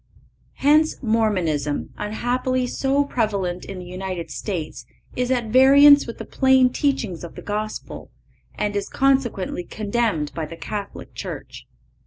Hence Mormonism, unhappily so prevalent in the United States, is at variance with the plain teachings of the Gospel, and is consequently condemned by the Catholic Church.